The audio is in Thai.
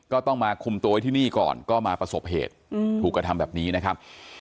ก็ต้องมาคุมตัวไว้ที่นี่ก่อนก็มาประสบเหตุถูกกระทำแบบนี้นะครับ